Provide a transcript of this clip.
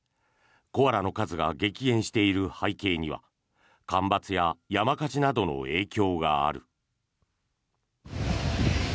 コアラの数が激減している背景には干ばつや山火事などの影響がある。